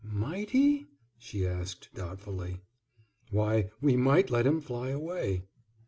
"Might he?" she asked, doubtfully. "Why, we might let him fly away."